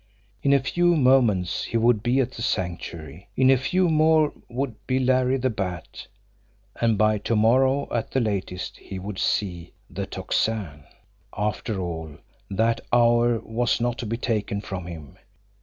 In a few moments he would be at the Sanctuary; in a few more he would be Larry the Bat, and by to morrow at the latest he would see The Tocsin. After all, that "hour" was not to be taken from him!